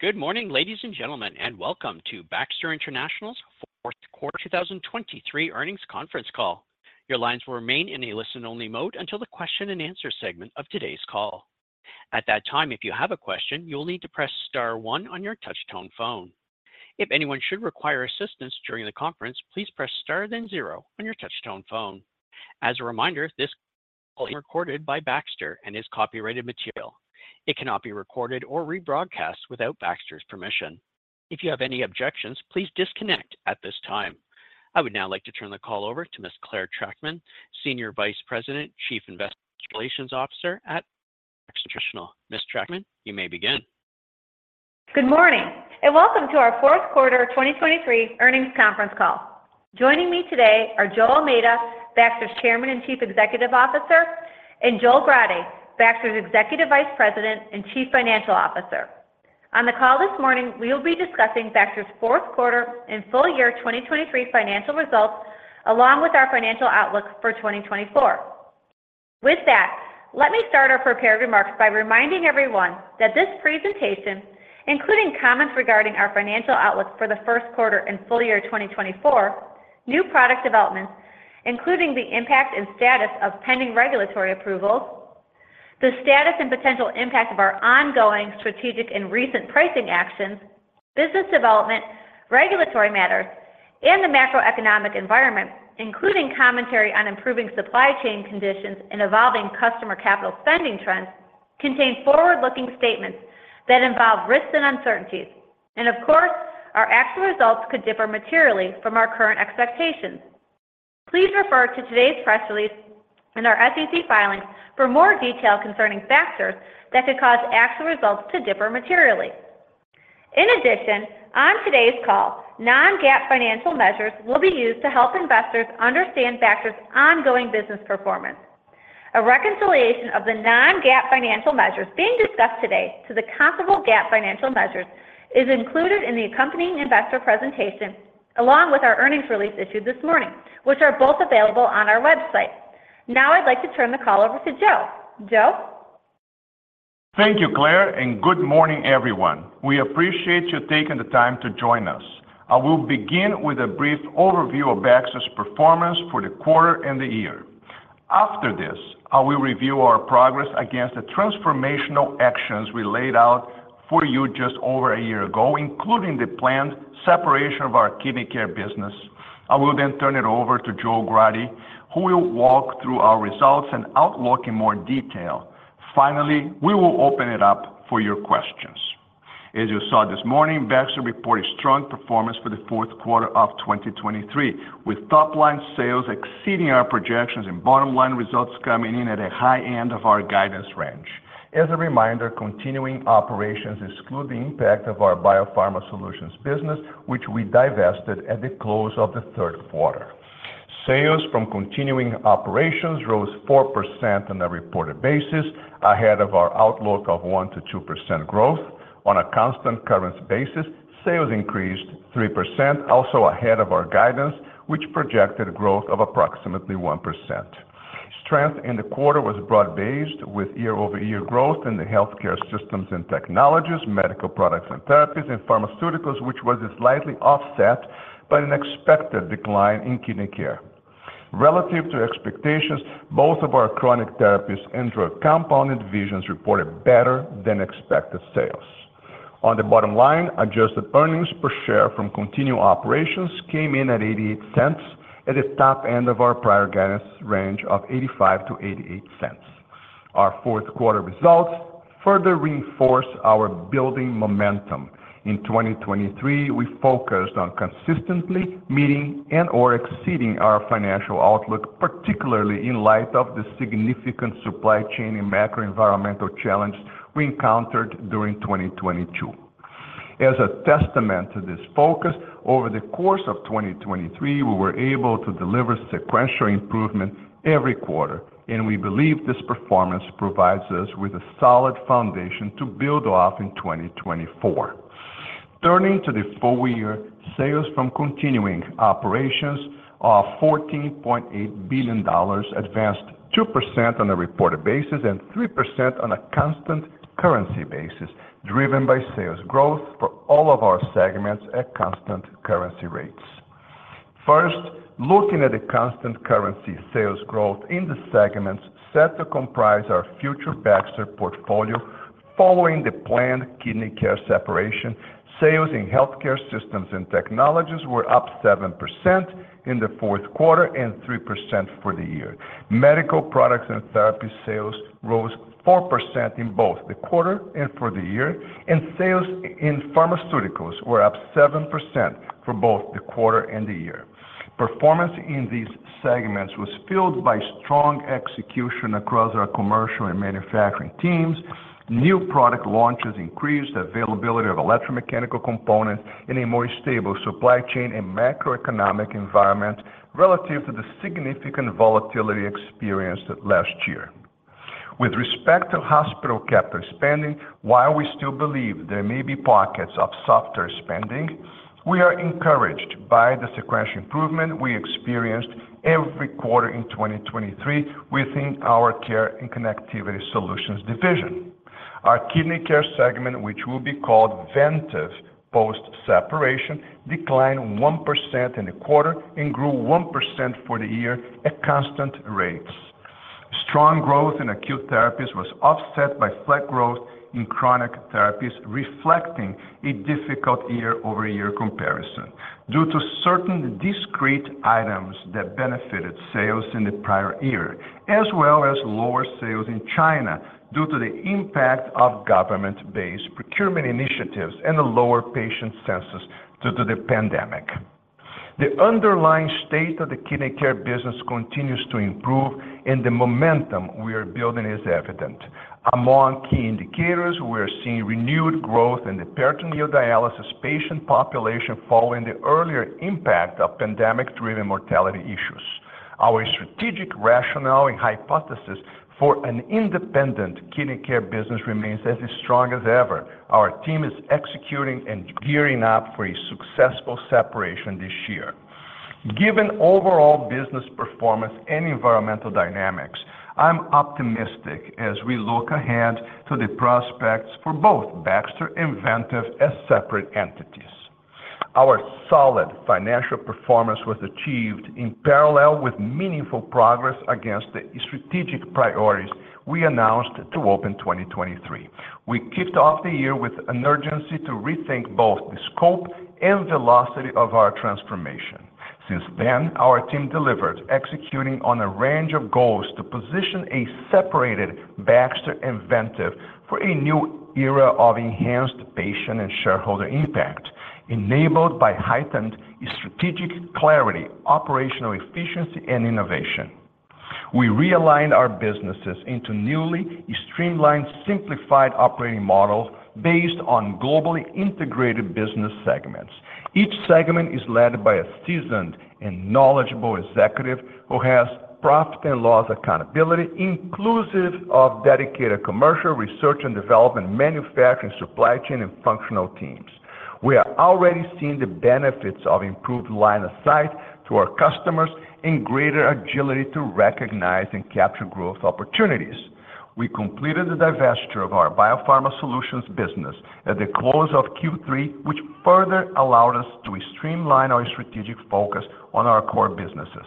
Good morning, ladies and gentlemen, and welcome to Baxter International's Q4 2023 earnings conference call. Your lines will remain in a listen-only mode until the question and answer segment of today's call. At that time, if you have a question, you will need to press star one on your touchtone phone. If anyone should require assistance during the conference, please press star, then zero on your touchtone phone. As a reminder, this call is recorded by Baxter and is copyrighted material. It cannot be recorded or rebroadcast without Baxter's permission. If you have any objections, please disconnect at this time. I would now like to turn the call over to Ms. Clare Trachtman, Senior Vice President, Chief Investor Relations Officer at Baxter International. Ms. Trachtman, you may begin. Good morning, and welcome to our Q4 2023 earnings conference call. Joining me today are Joe Almeida, Baxter's Chairman and Chief Executive Officer, and Joel Grade, Baxter's Executive Vice President and Chief Financial Officer. On the call this morning, we will be discussing Baxter's Q4 and full year 2023 financial results, along with our financial outlook for 2024. With that, let me start our prepared remarks by reminding everyone that this presentation, including comments regarding our financial outlook for the Q1 and full year 2024, new product developments, including the impact and status of pending regulatory approvals, the status and potential impact of our ongoing strategic and recent pricing actions, business development, regulatory matters, and the macroeconomic environment, including commentary on improving supply chain conditions and evolving customer capital spending trends, contain forward-looking statements that involve risks and uncertainties. Of course, our actual results could differ materially from our current expectations. Please refer to today's press release and our SEC filings for more detail concerning factors that could cause actual results to differ materially. In addition, on today's call, non-GAAP financial measures will be used to help investors understand Baxter's ongoing business performance. A reconciliation of the non-GAAP financial measures being discussed today to the comparable GAAP financial measures is included in the accompanying investor presentation, along with our earnings release issued this morning, which are both available on our website. Now I'd like to turn the call over to Joe. Joe? Thank you, Clare, and good morning, everyone. We appreciate you taking the time to join us. I will begin with a brief overview of Baxter's performance for the quarter and the year. After this, I will review our progress against the transformational actions we laid out for you just over a year ago, including the planned separation of our Kidney Care business. I will then turn it over to Joel Grade, who will walk through our results and outlook in more detail. Finally, we will open it up for your questions. As you saw this morning, Baxter reported strong performance for the Q4 2023, with top-line sales exceeding our projections and bottom-line results coming in at a high end of our guidance range. As a reminder, continuing operations exclude the impact of our BioPharma Solutions business, which we divested at the close of the Q3. Sales from continuing operations rose 4% on a reported basis, ahead of our outlook of 1%-2% growth. On a Constant Currency basis, sales increased 3%, also ahead of our guidance, which projected growth of approximately 1%. Strength in the quarter was broad-based, with year-over-year growth in the Healthcare Systems and Technologies, Medical Products and Therapies, and Pharmaceuticals, which was slightly offset by an expected decline in Kidney Care. Relative to expectations, both of our Chronic Therapies and Drug Compounding divisions reported better than expected sales. On the bottom line, adjusted earnings per share from continuing operations came in at $0.88, at the top end of our prior guidance range of $0.85-$0.88. Our Q4 results further reinforce our building momentum. In 2023, we focused on consistently meeting and/or exceeding our financial outlook, particularly in light of the significant supply chain and macro environmental challenges we encountered during 2022. As a testament to this focus, over the course of 2023, we were able to deliver sequential improvement every quarter, and we believe this performance provides us with a solid foundation to build off in 2024. Turning to the full year, sales from continuing operations are $14.8 billion, advanced 2% on a reported basis and 3% on a constant currency basis, driven by sales growth for all of our segments at constant currency rates. First, looking at the Constant Currency sales growth in the segments set to comprise our future Baxter portfolio following the planned Kidney Care separation, sales in Healthcare Systems and Technologies were up 7% in the Q4 and 3% for the year. Medical Products and Therapies sales rose 4% in both the quarter and for the year, and sales in Pharmaceuticals were up 7% for both the quarter and the year. Performance in these segments was fueled by strong execution across our commercial and manufacturing teams. New product launches increased availability of electromechanical components in a more stable supply chain and macroeconomic environment relative to the significant volatility experienced last year. With respect to hospital capital spending, while we still believe there may be pockets of softer spending, we are encouraged by the sequential improvement we experienced every quarter in 2023 within our Care and Connectivity Solutions division. Our Kidney Care segment, which will be called Vantive post-separation, declined 1% in the quarter and grew 1% for the year at constant rates. Strong growth in Acute Therapies was offset by flat growth in Chronic Therapies, reflecting a difficult year-over-year comparison due to certain discrete items that benefited sales in the prior year, as well as lower sales in China due to the impact of government-based procurement initiatives and a lower patient census due to the pandemic. The underlying state of the Kidney Care business continues to improve, and the momentum we are building is evident. Among key indicators, we are seeing renewed growth in the Peritoneal Dialysis patient population following the earlier impact of pandemic-driven mortality issues. Our strategic rationale and hypothesis for an independent Kidney Care business remains as strong as ever. Our team is executing and gearing up for a successful separation this year. Given overall business performance and environmental dynamics, I'm optimistic as we look ahead to the prospects for both Baxter and Vantive as separate entities. Our solid financial performance was achieved in parallel with meaningful progress against the strategic priorities we announced to open 2023. We kicked off the year with an urgency to rethink both the scope and velocity of our transformation. Since then, our team delivered, executing on a range of goals to position a separated Baxter and Vantive for a new era of enhanced patient and shareholder impact, enabled by heightened strategic clarity, operational efficiency, and innovation. We realigned our businesses into newly streamlined, simplified operating models based on globally integrated business segments. Each segment is led by a seasoned and knowledgeable executive who has profit and loss accountability, inclusive of dedicated commercial research and development, manufacturing, supply chain, and functional teams. We are already seeing the benefits of improved line of sight to our customers and greater agility to recognize and capture growth opportunities. We completed the divestiture of our BioPharma Solutions business at the close of Q3, which further allowed us to streamline our strategic focus on our core businesses.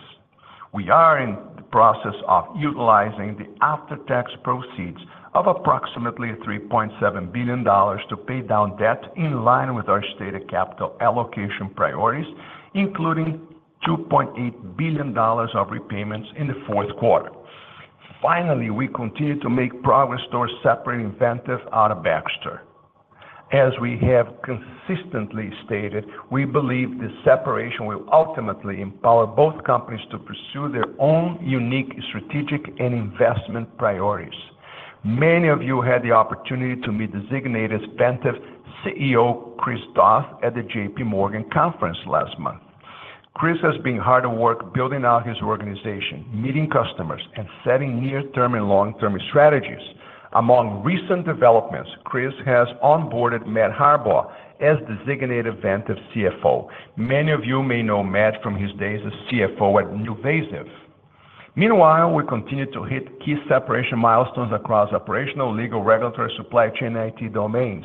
We are in the process of utilizing the after-tax proceeds of approximately $3.7 billion to pay down debt in line with our stated capital allocation priorities, including $2.8 billion of repayments in the Q4. Finally, we continue to make progress towards separating Vantive out of Baxter. As we have consistently stated, we believe this separation will ultimately empower both companies to pursue their own unique strategic and investment priorities. Many of you had the opportunity to meet designated Vantive CEO, Chris Toth, at the JPMorgan conference last month. Chris has been hard at work building out his organization, meeting customers, and setting near-term and long-term strategies. Among recent developments, Chris has onboarded Matt Harbaugh as designated Vantive CFO. Many of you may know Matt from his days as CFO at NuVasive. Meanwhile, we continued to hit key separation milestones across operational, legal, regulatory, supply chain, and IT domains.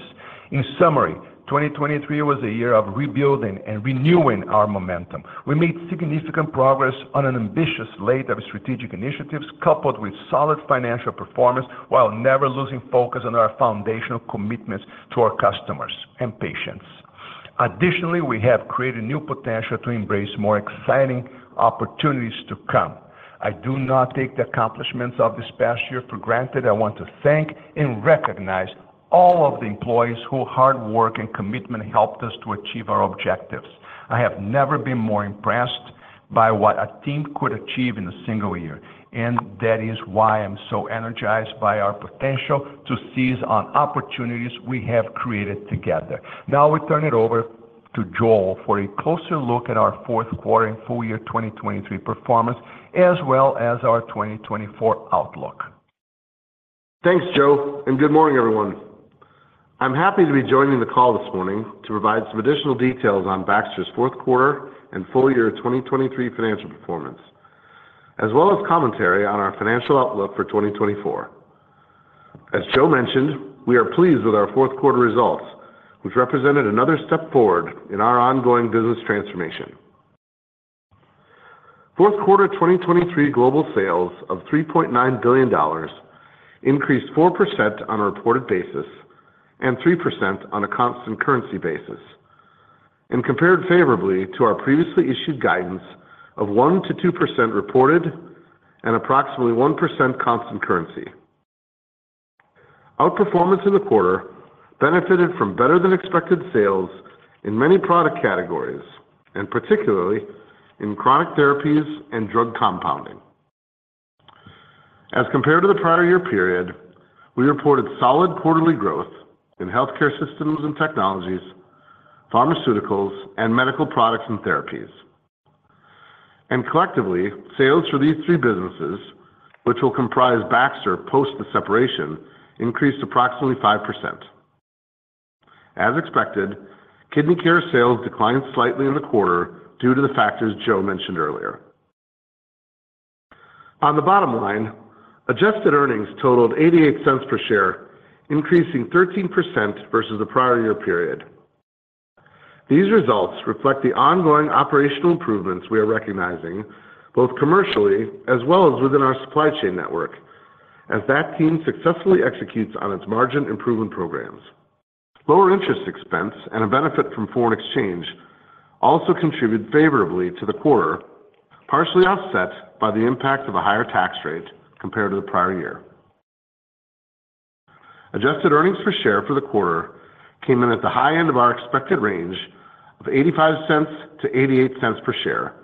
In summary, 2023 was a year of rebuilding and renewing our momentum. We made significant progress on an ambitious slate of strategic initiatives, coupled with solid financial performance, while never losing focus on our foundational commitments to our customers and patients. Additionally, we have created new potential to embrace more exciting opportunities to come. I do not take the accomplishments of this past year for granted. I want to thank and recognize all of the employees whose hard work and commitment helped us to achieve our objectives. I have never been more impressed by what a team could achieve in a single year, and that is why I'm so energized by our potential to seize on opportunities we have created together. Now, we turn it over to Joel for a closer look at our Q4 and full year 2023 performance, as well as our 2024 outlook. Thanks, Joe, and good morning, everyone. I'm happy to be joining the call this morning to provide some additional details on Baxter's Q4 and full year 2023 financial performance, as well as commentary on our financial outlook for 2024. As Joe mentioned, we are pleased with our Q4 results, which represented another step forward in our ongoing business transformation. Q4 2023 global sales of $3.9 billion increased 4% on a reported basis and 3% on a constant currency basis, and compared favorably to our previously issued guidance of 1%-2% reported and approximately 1% constant currency. Outperformance in the quarter benefited from better-than-expected sales in many product categories, and particularly in chronic therapies and drug compounding. As compared to the prior year period, we reported solid quarterly growth in healthcare systems and technologies, pharmaceuticals, and medical products and therapies. Collectively, sales for these three businesses, which will comprise Baxter post the separation, increased approximately 5%. As expected, kidney care sales declined slightly in the quarter due to the factors Joe mentioned earlier. On the bottom line, adjusted earnings totaled $0.88 per share, increasing 13% versus the prior year period. These results reflect the ongoing operational improvements we are recognizing, both commercially as well as within our supply chain network, as that team successfully executes on its margin improvement programs. Lower interest expense and a benefit from foreign exchange also contributed favorably to the quarter, partially offset by the impact of a higher tax rate compared to the prior year. Adjusted earnings per share for the quarter came in at the high end of our expected range of $0.85-$0.88 per share,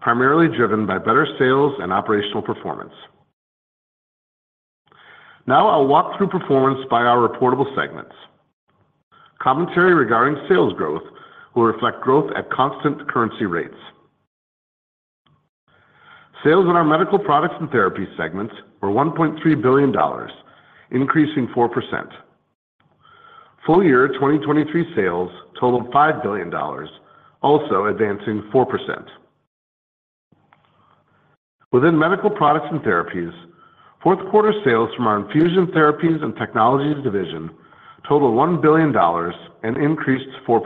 primarily driven by better sales and operational performance. Now I'll walk through performance by our reportable segments. Commentary regarding sales growth will reflect growth at constant currency rates. Sales in our Medical Products and Therapies segment were $1.3 billion, increasing 4%. Full year 2023 sales totaled $5 billion, also advancing 4%. Within Medical Products and Therapies, Q4 sales from our Infusion Therapies and Technologies division totaled $1 billion and increased 4%.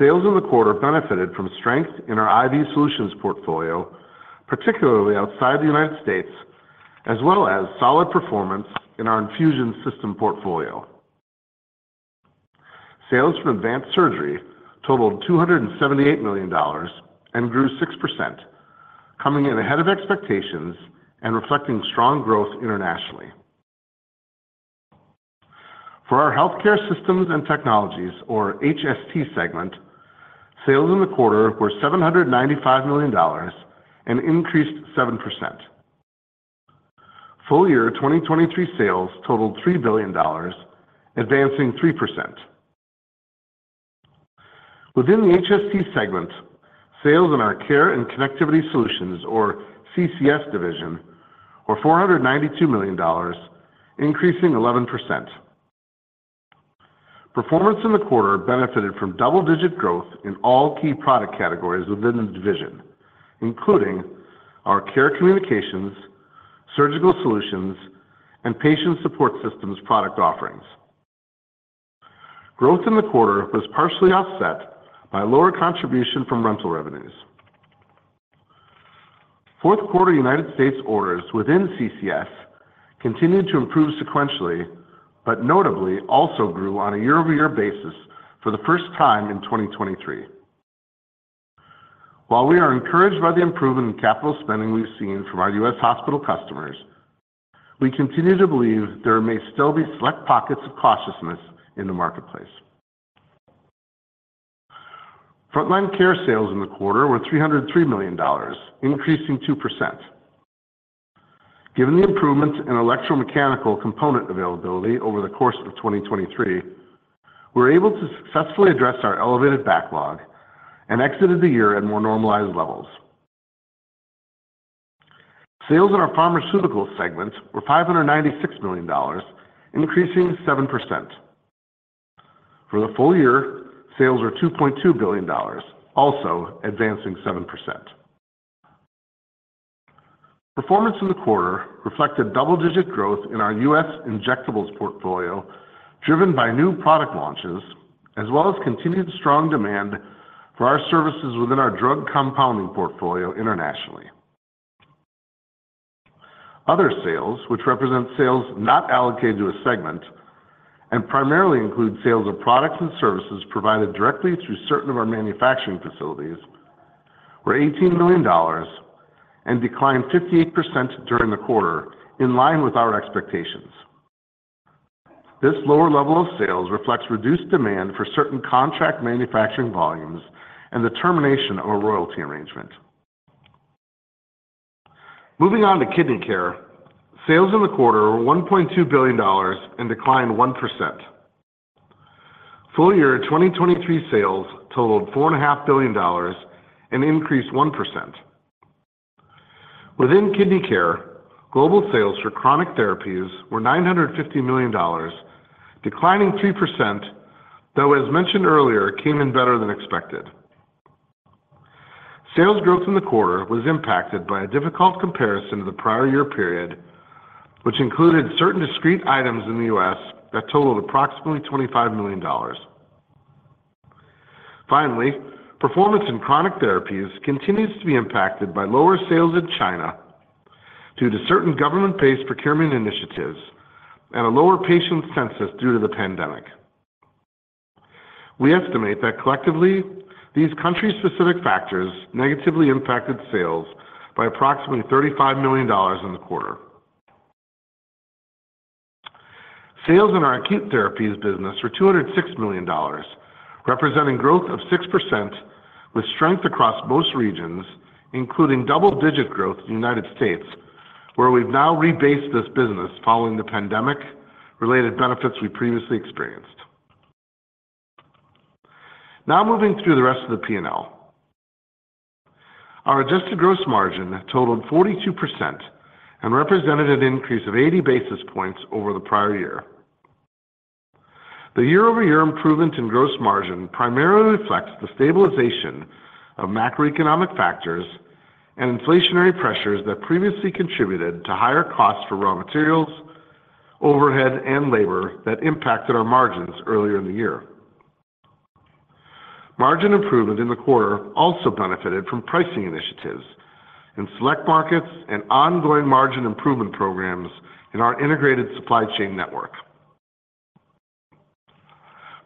Sales in the quarter benefited from strength in our IV Solutions Portfolio, particularly outside the United States, as well as solid performance in our infusion system portfolio. Sales from advanced surgery totaled $278 million and grew 6%, coming in ahead of expectations and reflecting strong growth internationally. For our Healthcare Systems and Technologies, or HST segment, sales in the quarter were $795 million and increased 7%. Full year 2023 sales totaled $3 billion, advancing 3%. Within the HST segment, sales in our Care and Connectivity Solutions, or CCS division, were $492 million, increasing 11%. Performance in the quarter benefited from double-digit growth in all key product categories within the division, including our care communications, surgical solutions, and patient support systems product offerings. Growth in the quarter was partially offset by lower contribution from rental revenues. Q4 United States orders within CCS continued to improve sequentially, but notably also grew on a year-over-year basis for the first time in 2023. While we are encouraged by the improvement in capital spending we've seen from our U.S. hospital customers, we continue to believe there may still be select pockets of cautiousness in the marketplace. Frontline Care sales in the quarter were $303 million, increasing 2%. Given the improvements in electromechanical component availability over the course of 2023, we were able to successfully address our elevated backlog and exited the year at more normalized levels. Sales in our pharmaceutical segment were $596 million, increasing 7%. For the full year, sales were $2.2 billion, also advancing 7%. Performance in the quarter reflected double-digit growth in our U.S. injectables portfolio, driven by new product launches, as well as continued strong demand for our services within our Drug Compounding Portfolio internationally. Other sales, which represent sales not allocated to a segment and primarily include sales of products and services provided directly through certain of our manufacturing facilities, were $18 million and declined 58% during the quarter, in line with our expectations. This lower level of sales reflects reduced demand for certain contract manufacturing volumes and the termination of a royalty arrangement. Moving on to Kidney Care. Sales in the quarter were $1.2 billion and declined 1%. Full year 2023 sales totaled $4.5 billion and increased 1%. Within Kidney Care, global sales for chronic therapies were $950 million, declining 3%, though, as mentioned earlier, came in better than expected. Sales growth in the quarter was impacted by a difficult comparison to the prior year period, which included certain discrete items in the US that totaled approximately $25 million. Finally, performance in chronic therapies continues to be impacted by lower sales in China due to certain government-based procurement initiatives and a lower patient census due to the pandemic. We estimate that collectively, these country-specific factors negatively impacted sales by approximately $35 million in the quarter. Sales in our acute therapies business were $206 million, representing growth of 6%, with strength across most regions, including double-digit growth in the United States, where we've now rebased this business following the pandemic-related benefits we previously experienced. Now moving through the rest of the P&L. Our adjusted gross margin totaled 42% and represented an increase of 80 basis points over the prior year. The year-over-year improvement in gross margin primarily reflects the stabilization of macroeconomic factors and inflationary pressures that previously contributed to higher costs for raw materials, overhead, and labor that impacted our margins earlier in the year. Margin improvement in the quarter also benefited from pricing initiatives in select markets and ongoing margin improvement programs in our integrated supply chain network.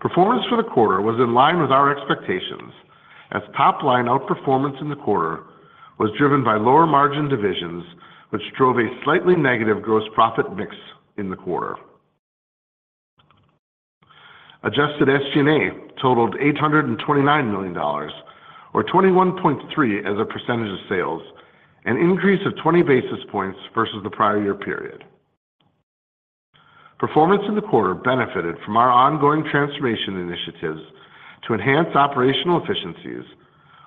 Performance for the quarter was in line with our expectations, as top-line outperformance in the quarter was driven by lower margin divisions, which drove a slightly negative gross profit mix in the quarter. Adjusted SG&A totaled $829 million, or 21.3% of sales, an increase of 20 basis points versus the prior year period. Performance in the quarter benefited from our ongoing transformation initiatives to enhance operational efficiencies,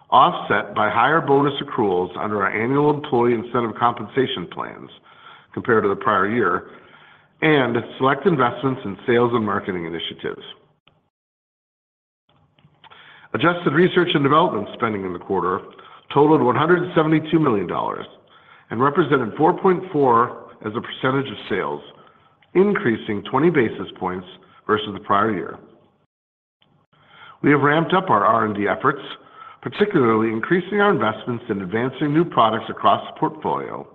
offset by higher bonus accruals under our annual employee incentive compensation plans compared to the prior year, and select investments in sales and marketing initiatives. Adjusted research and development spending in the quarter totaled $172 million and represented 4.4% of sales, increasing 20 basis points versus the prior year. We have ramped up our R&D efforts, particularly increasing our investments in advancing new products across the portfolio,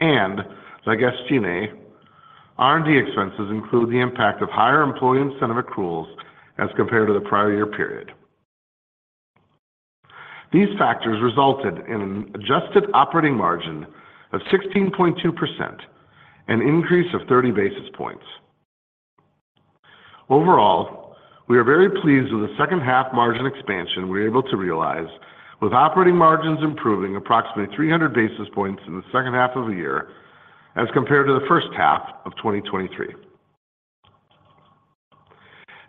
and like SG&A, R&D expenses include the impact of higher employee incentive accruals as compared to the prior year period. These factors resulted in an adjusted operating margin of 16.2%, an increase of 30 basis points. Overall, we are very pleased with the second-half margin expansion we were able to realize, with operating margins improving approximately 300 basis points in the second half of the year as compared to the first half of 2023.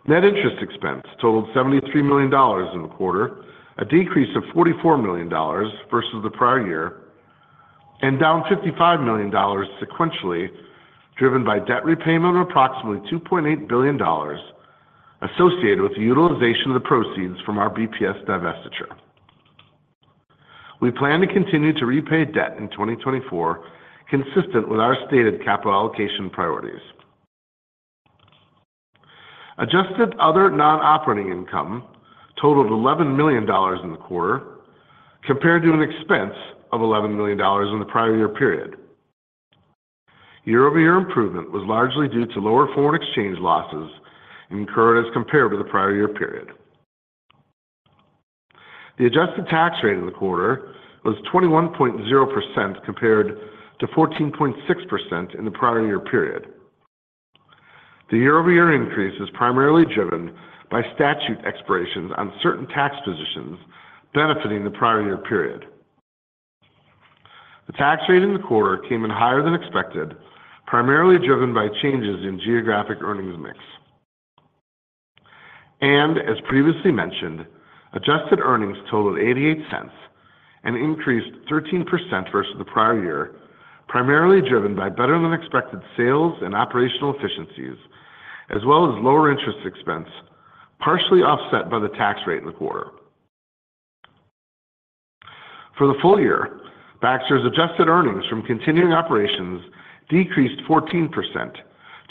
Net interest expense totaled $73 million in the quarter, a decrease of $44 million versus the prior year, and down $55 million sequentially, driven by debt repayment of approximately $2.8 billion associated with the utilization of the proceeds from our BPS divestiture. We plan to continue to repay debt in 2024, consistent with our stated capital allocation priorities. Adjusted other non-operating income totaled $11 million in the quarter, compared to an expense of $11 million in the prior year period. Year-over-year improvement was largely due to lower foreign exchange losses incurred as compared to the prior year period. The adjusted tax rate in the quarter was 21%, compared to 14.6% in the prior year period. The year-over-year increase is primarily driven by statute expirations on certain tax positions benefiting the prior year period. The tax rate in the quarter came in higher than expected, primarily driven by changes in geographic earnings mix. As previously mentioned, adjusted earnings totaled $0.88 and increased 13% versus the prior year, primarily driven by better-than-expected sales and operational efficiencies, as well as lower interest expense, partially offset by the tax rate in the quarter. For the full year, Baxter's adjusted earnings from continuing operations decreased 14%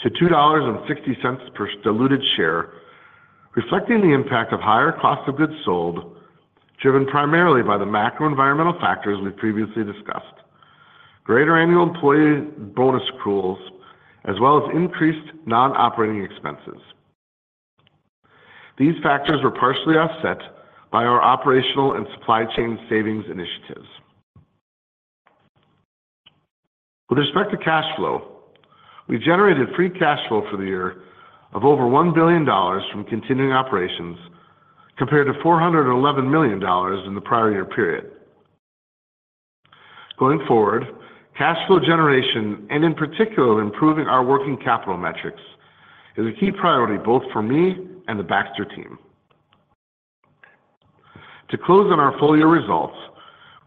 to $2.60 per diluted share, reflecting the impact of higher cost of goods sold, driven primarily by the macro environmental factors we previously discussed, greater annual employee bonus accruals, as well as increased non-operating expenses. These factors were partially offset by our operational and supply chain savings initiatives. With respect to cash flow, we generated free cash flow for the year of over $1 billion from continuing operations, compared to $411 million in the prior year period. Going forward, cash flow generation, and in particular, improving our working capital metrics, is a key priority both for me and the Baxter team. To close on our full-year results,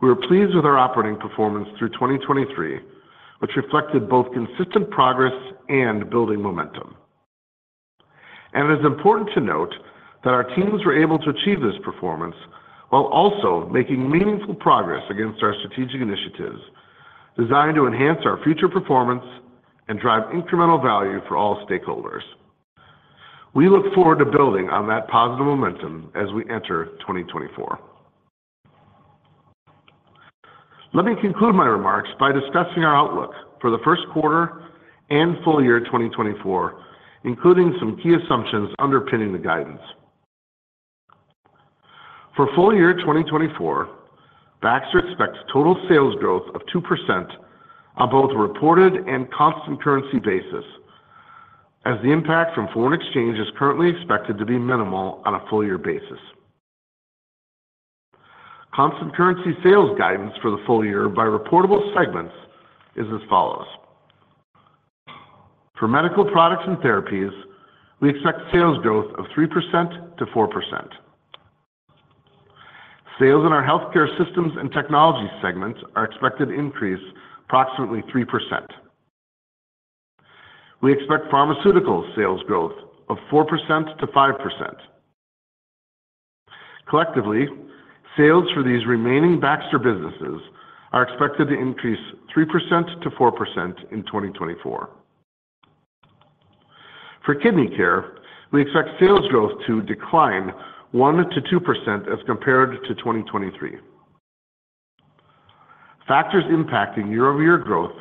we are pleased with our operating performance through 2023, which reflected both consistent progress and building momentum. It is important to note that our teams were able to achieve this performance while also making meaningful progress against our strategic initiatives designed to enhance our future performance and drive incremental value for all stakeholders. We look forward to building on that positive momentum as we enter 2024. Let me conclude my remarks by discussing our outlook for the Q1 and full year 2024, including some key assumptions underpinning the guidance. For full year 2024, Baxter expects total sales growth of 2% on both a reported and Constant Currency basis, as the impact from foreign exchange is currently expected to be minimal on a full year basis. Constant Currency sales guidance for the full year by reportable segments is as follows: For Medical Products and Therapies, we expect sales growth of 3%-4%.... Sales in our Healthcare Systems and Technologies segment are expected to increase approximately 3%. We expect pharmaceutical sales growth of 4%-5%. Collectively, sales for these remaining Baxter businesses are expected to increase 3%-4% in 2024. For Kidney Care, we expect sales growth to decline 1%-2% as compared to 2023. Factors impacting year-over-year growth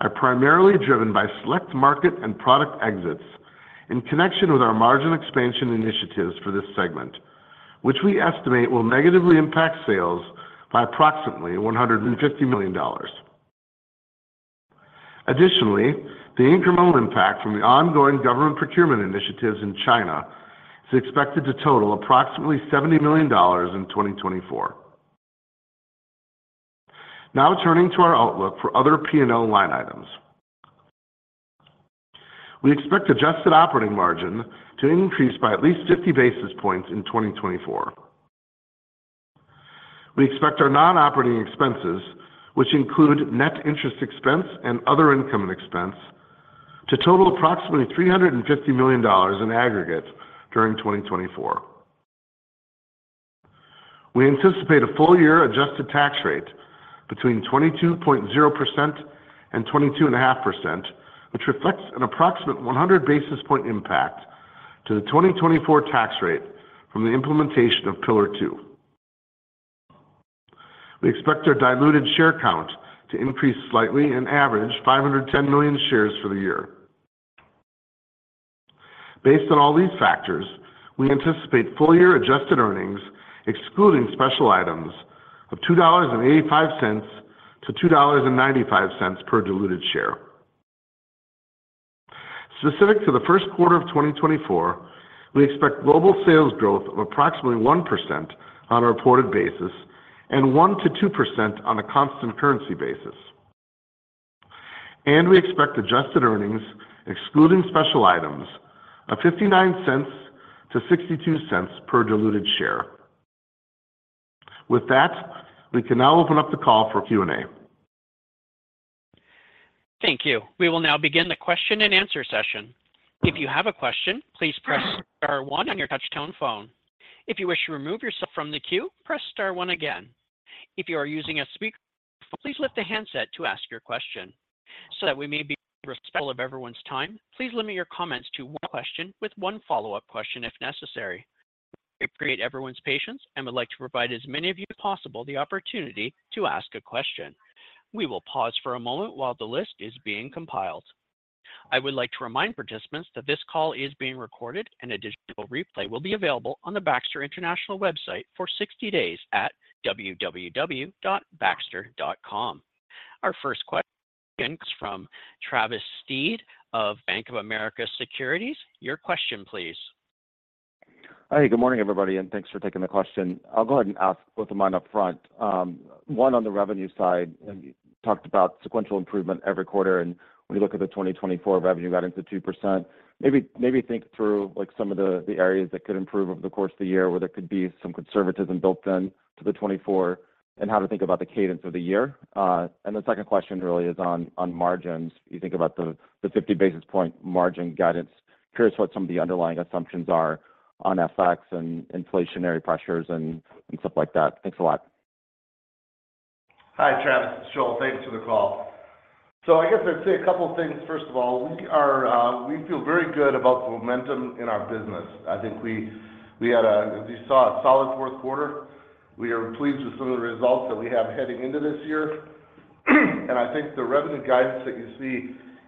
are primarily driven by select market and product exits in connection with our margin expansion initiatives for this segment, which we estimate will negatively impact sales by approximately $150 million. Additionally, the incremental impact from the ongoing government procurement initiatives in China is expected to total approximately $70 million in 2024. Now turning to our outlook for other P&L line items. We expect adjusted operating margin to increase by at least 50 basis points in 2024. We expect our non-operating expenses, which include net interest expense and other income and expense, to total approximately $350 million in aggregate during 2024. We anticipate a full year adjusted tax rate between 22.0% and 22.5%, which reflects an approximate 100 basis point impact to the 2024 tax rate from the implementation of Pillar Two. We expect our diluted share count to increase slightly and average 510 million shares for the year. Based on all these factors, we anticipate full-year adjusted earnings, excluding special items, of $2.85-$2.95 per diluted share. Specific to the Q1 2024, we expect global sales growth of approximately 1% on a reported basis and 1%-2% on a constant currency basis. We expect adjusted earnings, excluding special items, of $0.59-$0.62 per diluted share. With that, we can now open up the call for Q&A. Thank you. We will now begin the question and answer session. If you have a question, please press star one on your touch tone phone. If you wish to remove yourself from the queue, press star one again. If you are using a speakerphone, please lift the handset to ask your question. So that we may be respectful of everyone's time, please limit your comments to one question with one follow-up question if necessary. We appreciate everyone's patience and would like to provide as many of you as possible the opportunity to ask a question. We will pause for a moment while the list is being compiled. I would like to remind participants that this call is being recorded, and a digital replay will be available on the Baxter International website for 60 days at www.baxter.com. Our first question comes from Travis Steed of Bank of America Securities. Your question, please. Hi, good morning, everybody, and thanks for taking the question. I'll go ahead and ask both of mine up front. One, on the revenue side, you talked about sequential improvement every quarter, and when you look at the 2024 revenue guidance of 2%, maybe, maybe think through some of the, the areas that could improve over the course of the year, where there could be some conservatism built in to the 2024, and how to think about the cadence of the year. And the second question really is on, on margins. You think about the, the 50 basis point margin guidance. Curious what some of the underlying assumptions are on FX and inflationary pressures and, and stuff like that. Thanks a lot. Hi, Travis. It's Joel. Thanks for the call. So I guess I'd say a couple of things. First of all, we are, we feel very good about the momentum in our business. I think we had, as you saw, a solid Q4. We are pleased with some of the results that we have heading into this year. And I think the revenue guidance that you see,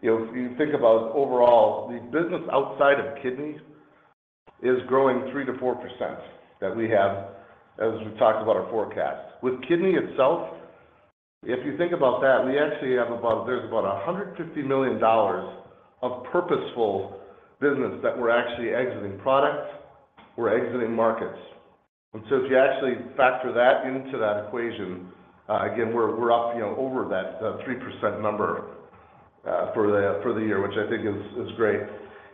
you know, if you think about overall, the business outside of kidney is growing 3%-4% that we have, as we talked about our forecast. With kidney itself, if you think about that, we actually have about—there's about $150 million of purposeful business that we're actually exiting products, we're exiting markets. And so if you actually factor that into that equation, again, we're up, you know, over that 3% number for the year, which I think is great.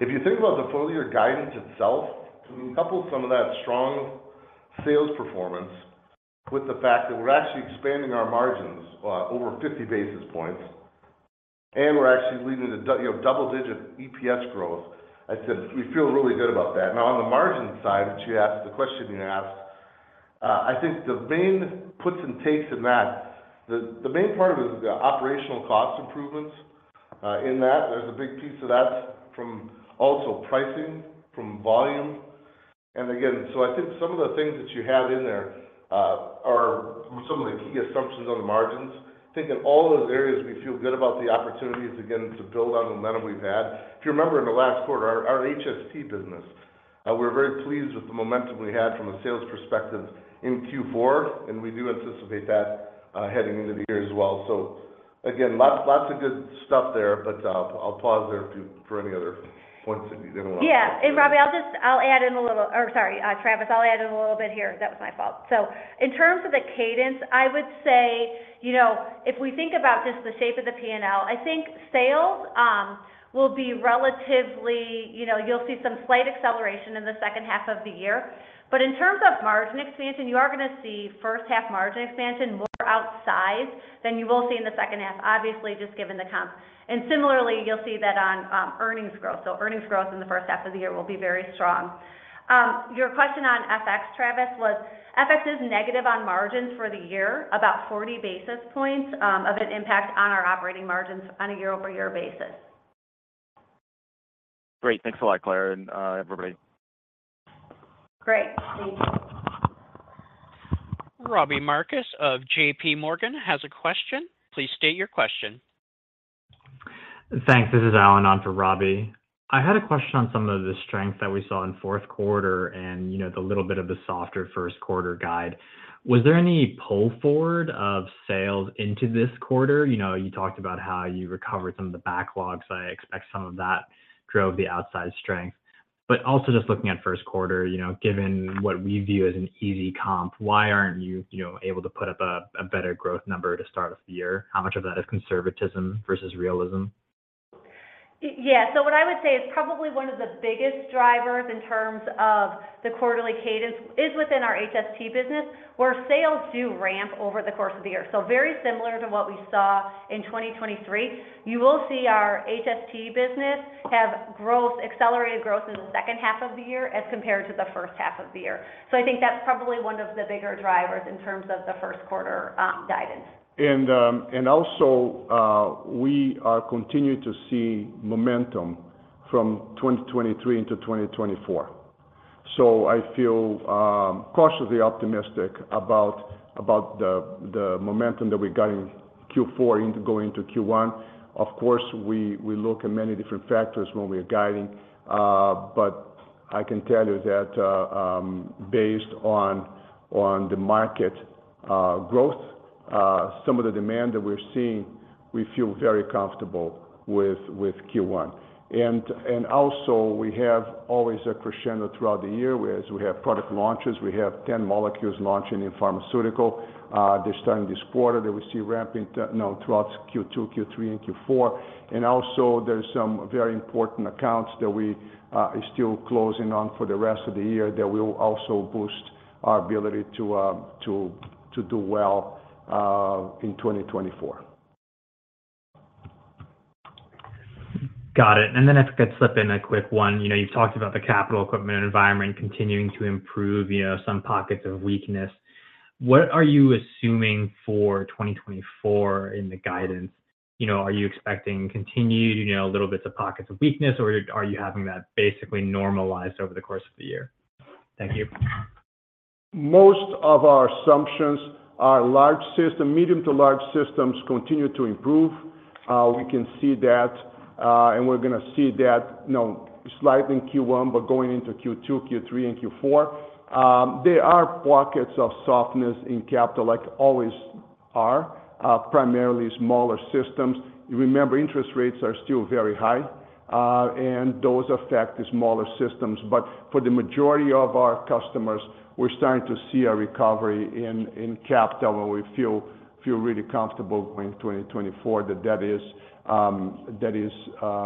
If you think about the full year guidance itself, couple some of that strong sales performance with the fact that we're actually expanding our margins over 50 basis points, and we're actually leading to double-digit EPS growth. I said, "We feel really good about that." Now, on the margin side, which you asked the question, you asked, I think the main puts and takes in that, the main part of it is the operational cost improvements. In that, there's a big piece of that from also pricing, from volume. And again, so I think some of the things that you have in there, are some of the key assumptions on the margins. I think in all those areas, we feel good about the opportunities, again, to build on the momentum we've had. If you remember in the last quarter, our HST business, we're very pleased with the momentum we had from a sales perspective in Q4, and we do anticipate that, heading into the year as well. So again, lots, lots of good stuff there, but, I'll pause there for any other points that you didn't want- Yeah. And Robbie, I'll add in a little... Or sorry, Travis, I'll add in a little bit here. That was my fault. So in terms of the cadence, I would say, you know, if we think about just the shape of the P&L, I think sales will be relatively, you know, you'll see some slight acceleration in the second half of the year. But in terms of margin expansion, you are going to see first half margin expansion more outsized than you will see in the second half, obviously, just given the comps. And similarly, you'll see that on earnings growth. So earnings growth in the first half of the year will be very strong. Your question on FX, Travis, was FX is negative on margins for the year, about 40 basis points, of an impact on our operating margins on a year-over-year basis. Great. Thanks a lot, Clare and everybody. Great. Thank you. Robbie Marcus of JPMorgan has a question. Please state your question. Thanks. This is Allen, on for Robbie. I had a question on some of the strength that we saw in Q4 and, you know, the little bit of the softer Q1 guide. Was there any pull forward of sales into this quarter? You know, you talked about how you recovered some of the backlogs. I expect some of that drove the outsized strength. But also just looking at Q1, you know, given what we view as an easy comp, why aren't you, you know, able to put up a better growth number to start off the year? How much of that is conservatism versus realism? Yeah. So what I would say is probably one of the biggest drivers in terms of the quarterly cadence is within our HST business, where sales do ramp over the course of the year. So very similar to what we saw in 2023, you will see our HST business have accelerated growth in the second half of the year as compared to the first half of the year. So I think that's probably one of the bigger drivers in terms of the Q1 guidance. And also, we are continuing to see momentum from 2023 into 2024. So I feel cautiously optimistic about the momentum that we got in Q4 into going to Q1. Of course, we look at many different factors when we are guiding, but I can tell you that based on the market growth, some of the demand that we're seeing, we feel very comfortable with Q1. And also, we have always a crescendo throughout the year, whereas we have product launches. We have 10 molecules launching in pharmaceutical, just starting this quarter, that we see ramping you know, throughout Q2, Q3, and Q4. And also, there's some very important accounts that we are still closing on for the rest of the year that will also boost our ability to do well in 2024. Got it. And then if I could slip in a quick one. You know, you've talked about the capital equipment environment continuing to improve, you know, some pockets of weakness. What are you assuming for 2024 in the guidance? You know, are you expecting continued, you know, little bits of pockets of weakness, or are you having that basically normalized over the course of the year? Thank you. Most of our assumptions are large system, medium to large systems continue to improve. We can see that, and we're going to see that, you know, slightly in Q1, but going into Q2, Q3, and Q4. There are pockets of softness in capital, like always are, primarily smaller systems. You remember, interest rates are still very high, and those affect the smaller systems. But for the majority of our customers, we're starting to see a recovery in, in capital, and we feel, feel really comfortable in 2024, that that is, that is,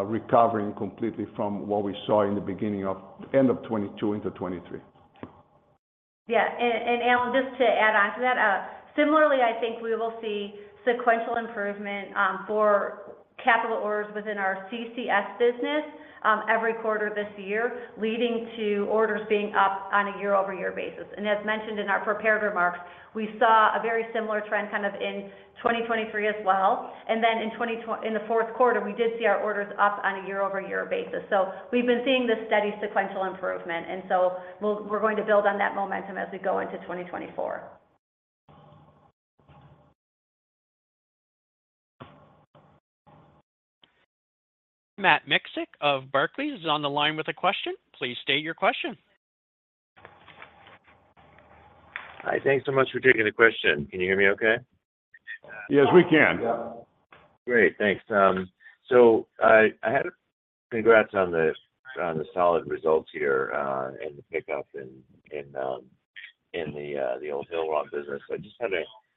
recovering completely from what we saw in the beginning of... end of 2022 into 2023. Yeah. And, and Allen, just to add on to that, similarly, I think we will see sequential improvement for capital orders within our CCS business every quarter this year, leading to orders being up on a year-over-year basis. And as mentioned in our prepared remarks, we saw a very similar trend kind of in 2023 as well. And then in the Q4, we did see our orders up on a year-over-year basis. So we've been seeing this steady sequential improvement, and so we're going to build on that momentum as we go into 2024. Matt Miksic of Barclays is on the line with a question. Please state your question. Hi, thanks so much for taking the question. Can you hear me okay? Yes, we can. Great. Thanks. So I had congrats on the solid results here, and the pickup in the Hillrom business. I just had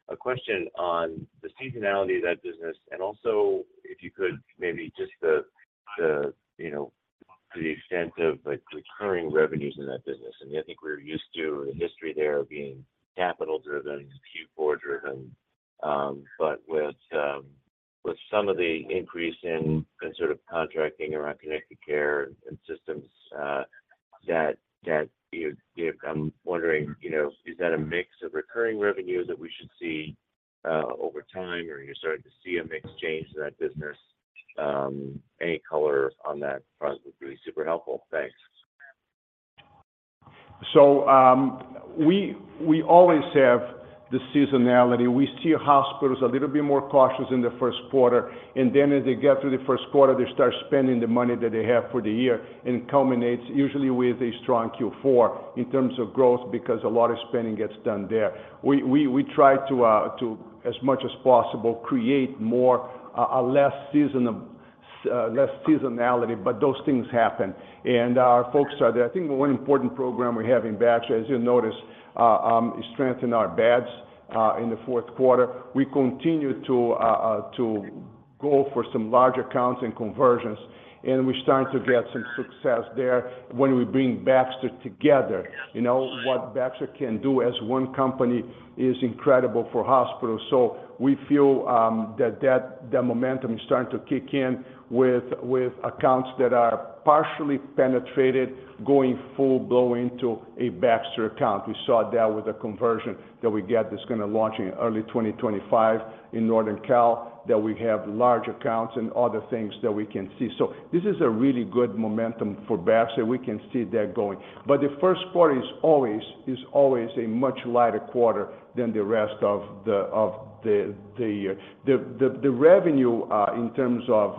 a question on the seasonality of that business, and also, if you could, maybe just the extent of recurring revenues in that business. And I think we're used to a history there of being capital-driven, Q4-driven, but with some of the increase in sort of contracting around connected care and systems, that. I'm wondering, you know, is that a mix of recurring revenues that we should see over time, or you're starting to see a mix change in that business? Any color on that front would be super helpful. Thanks. So, we always have the seasonality. We see hospitals a little bit more cautious in the Q1, and then as they get through the Q1, they start spending the money that they have for the year, and it culminates usually with a strong Q4 in terms of growth, because a lot of spending gets done there. We try to, as much as possible, create more of a less seasonality, but those things happen. And our folks are there. I think the one important program we have in Vantive, as you'll notice, strengthen our beds in the Q4. We continue to go for some large accounts and conversions, and we're starting to get some success there when we bring Baxter together. You know, what Baxter can do as one company is incredible for hospitals. So we feel that the momentum is starting to kick in with accounts that are partially penetrated, going full blow into a Baxter account. We saw that with a conversion that we get that's gonna launch in early 2025 in Northern Cal, that we have large accounts and other things that we can see. So this is a really good momentum for Baxter. We can see that going. But the Q1 is always a much lighter quarter than the rest of the revenue in terms of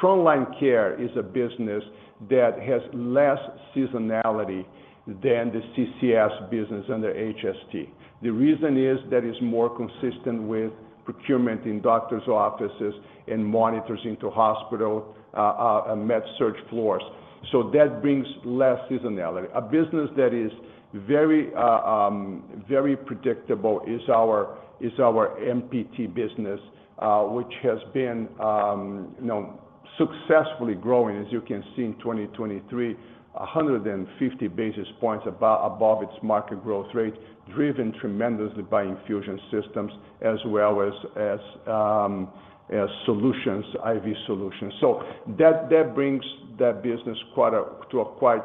Frontline Care is a business that has less seasonality than the CCS business and the HST. The reason is that it's more consistent with procurement in doctors' offices and monitors into hospital, med surg floors. So that brings less seasonality. A business that is very, very predictable is our, is our MPT business, which has been, you know, successfully growing, as you can see in 2023, 150 basis points above its market growth rate, driven tremendously by infusion systems as well as solutions, IV solutions. So that brings that business quite to a quite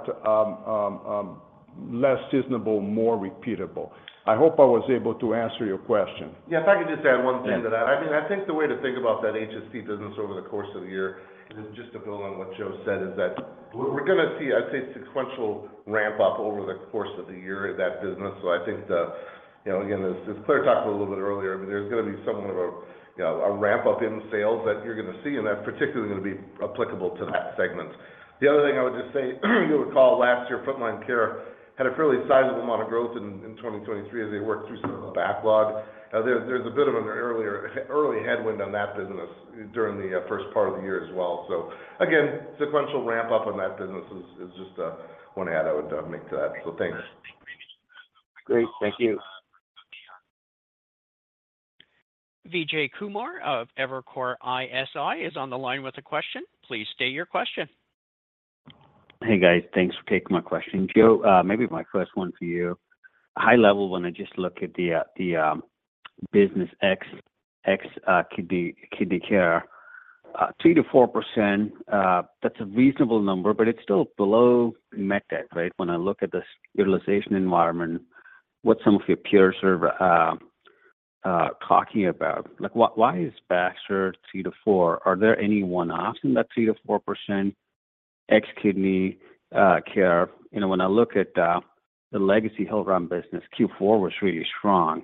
less seasonable, more repeatable. I hope I was able to answer your question. Yes, if I could just add one thing to that. Yeah. I mean, I think the way to think about that HST business over the course of the year, and just to build on what Joe said, is that we're gonna see, I'd say, sequential ramp-up over the course of the year in that business. So I think the, you know, again, as Clare talked a little bit earlier, but there's gonna be somewhat of a ramp-up in sales that you're gonna see, and that's particularly gonna be applicable to that segment. The other thing I would just say, you'll recall last year, Frontline Care had a fairly sizable amount of growth in 2023 as they worked through some backlog. There's a bit of an early headwind on that business during the first part of the year as well. So again, sequential ramp-up on that business is just one add I would make to that. So thanks. Great. Thank you. Vijay Kumar of Evercore ISI is on the line with a question. Please state your question. Hey, guys. Thanks for taking my question. Joe, maybe my first one to you. High level, when I just look at the business ex kidney care, 2%-4%, that's a reasonable number, but it's still below medtech, right? When I look at this utilization environment, what some of your peers are talking about, like, why is Baxter 2%-4%? Are there any one-offs in that 3%-4% ex kidney care? You know, when I look at the legacy Hillrom business, Q4 was really strong.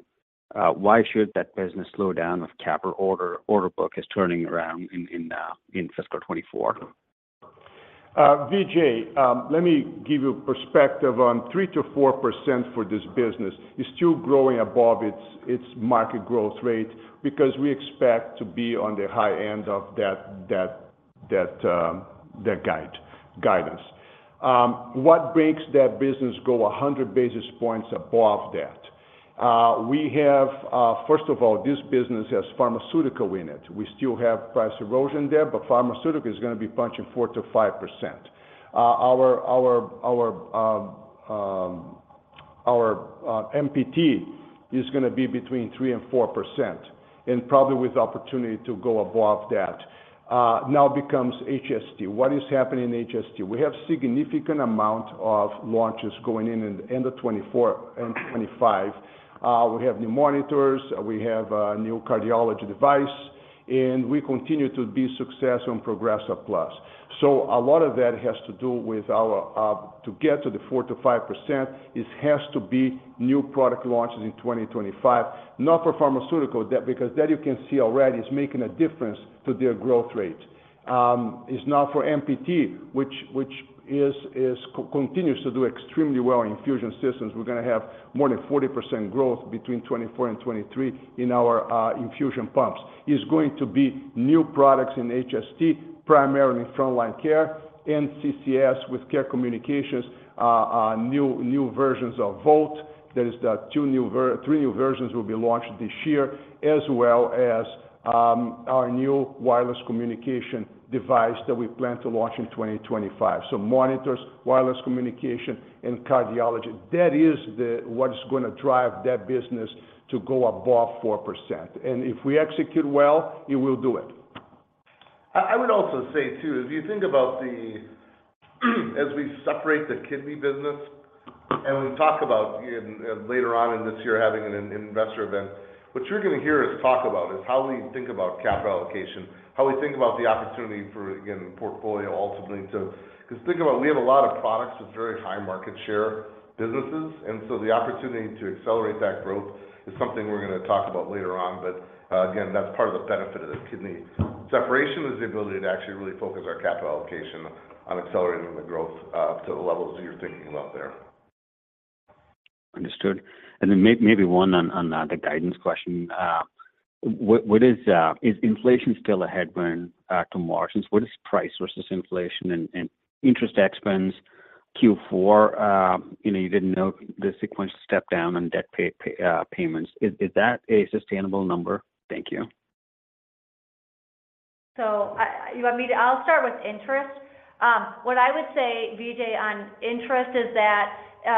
Why should that business slow down if capital order book is turning around in fiscal 2024? Vijay, let me give you perspective on 3%-4% for this business. It's still growing above its market growth rate because we expect to be on the high end of that guidance. What makes that business go 100 basis points above that? First of all, this business has pharmaceutical in it. We still have price erosion there, but pharmaceutical is gonna be punching 4%-5%. Our MPT is gonna be between 3%-4%, and probably with opportunity to go above that. Now becomes HST. What is happening in HST? We have significant amount of launches going in the end of 2024 and 2025. We have new monitors, we have a new cardiology device, and we continue to be success on Progressa Plus. So a lot of that has to do with our... To get to the 4%-5%, it has to be new product launches in 2025. Not for pharmaceutical, that because that you can see already is making a difference to their growth rate. It's not for MPT, which continues to do extremely well in infusion systems. We're gonna have more than 40% growth between 2024 and 2023 in our infusion pumps. It's going to be new products in HST, primarily Frontline Care and CCS with care communications, new versions of Voalte. Three new versions will be launched this year, as well as our new wireless communication device that we plan to launch in 2025. So monitors, wireless communication and cardiology. That is what is gonna drive that business to go above 4%. And if we execute well, it will do it. I would also say, too, if you think about the, as we separate the kidney business and we talk about later on in this year, having an investor event, what you're gonna hear us talk about is how we think about capital allocation, how we think about the opportunity for, again, portfolio ultimately to. Because think about it, we have a lot of products with very high market share businesses, and so the opportunity to accelerate that growth is something we're gonna talk about later on. But again, that's part of the benefit of the kidney separation is the ability to actually really focus our capital allocation on accelerating the growth to the levels you're thinking about there. Understood. And then maybe one on the guidance question. What is inflation still a headwind to margins? What is price versus inflation and interest expense? Q4, you know, you didn't note the sequential step down on debt payments. Is that a sustainable number? Thank you. You want me to. I'll start with interest. What I would say, Vijay, on interest is that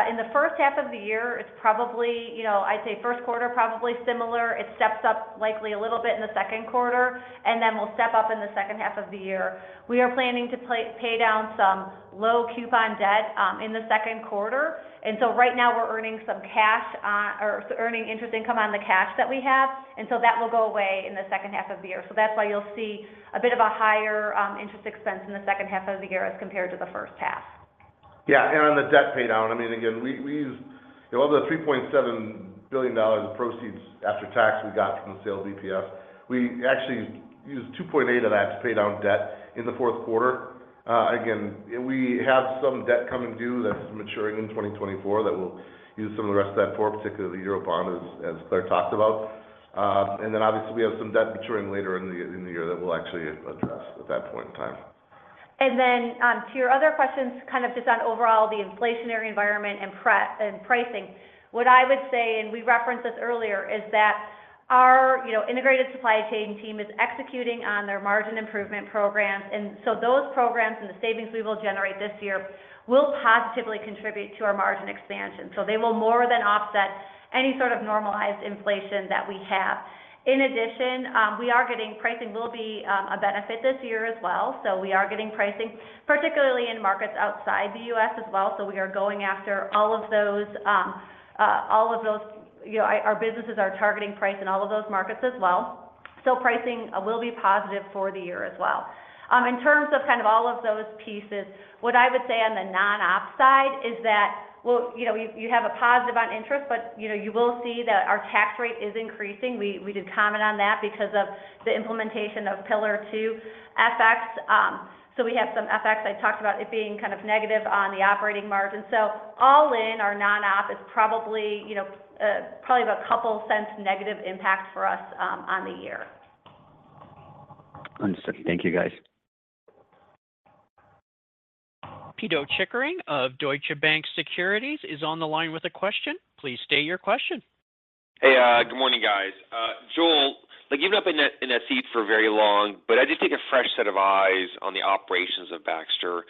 in the first half of the year, it's probably, you know, I'd say Q1, probably similar. It steps up likely a little bit in the Q2, and then will step up in the second half of the year. We are planning to pay down some low coupon debt in the Q2, and so right now we're earning interest income on the cash that we have, and so that will go away in the second half of the year. So that's why you'll see a bit of a higher interest expense in the second half of the year as compared to the first half. Yeah, and on the debt pay down, I mean, again, we use, you know, of the $3.7 billion of proceeds after tax we got from the sale of BPS, we actually used $2.8 billion of that to pay down debt in the Q4. Again, we have some debt coming due that's maturing in 2024 that we'll use some of the rest of that for, particularly the Eurobond, as Clare talked about. And then obviously, we have some debt maturing later in the year that we'll actually address at that point in time. And then, to your other questions, kind of just on overall the inflationary environment and pricing. What I would say, and we referenced this earlier, is that our, you know, integrated supply chain team is executing on their margin improvement programs. And so those programs and the savings we will generate this year will positively contribute to our margin expansion. So they will more than offset any sort of normalized inflation that we have. In addition, we are getting pricing will be a benefit this year as well, so we are getting pricing, particularly in markets outside the US as well. So we are going after all of those, you know, our businesses are targeting price in all of those markets as well. So pricing will be positive for the year as well. In terms of kind of all of those pieces, what I would say on the non-ops side is that, well, you know, you, you have a positive on interest, but, you know, you will see that our tax rate is increasing. We, we did comment on that because of the implementation of Pillar Two effects. So we have some effects. I talked about it being kind of negative on the operating margin. So all in, our non-op is probably, you know, probably about $0.02 negative impact for us, on the year. Understood. Thank you, guys. Pito Chickering of Deutsche Bank Securities is on the line with a question. Please state your question. Hey, good morning, guys. Joel, like, you've not been in that seat for very long, but I just think a fresh set of eyes on the operations of Baxter.